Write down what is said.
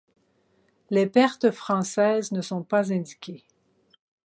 Les pertes françaises ne sont pas indiquées.